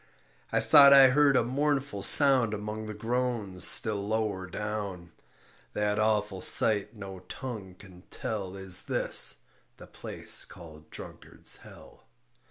I thought I heard a mournful sound Among the groans still lower down, That awful sight no tongue can tell Is this, the place called Drunkard's Hell.